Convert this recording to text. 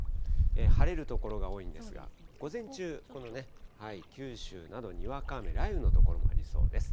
晴れる所が多いんですが、午前中、このね、九州など、にわか雨、雷雨の所もありそうです。